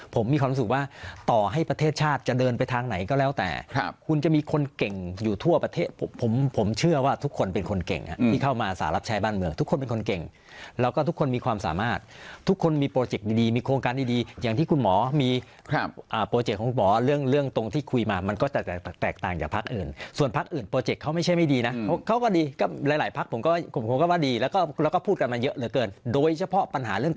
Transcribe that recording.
ผมมีความรู้สึกว่าต่อให้ประเทศชาติจะเดินไปทางไหนก็แล้วแต่คุณจะมีคนเก่งอยู่ทั่วประเทศผมเชื่อว่าทุกคนเป็นคนเก่งที่เข้ามาสารับใช้บ้านเมืองทุกคนเป็นคนเก่งแล้วก็ทุกคนมีความสามารถทุกคนมีโปรเจคดีมีโครงการดีอย่างที่คุณหมอมีโปรเจคของคุณหมอเรื่องตรงที่คุยมามันก็แตกต่างจากภาคอื่นส่วน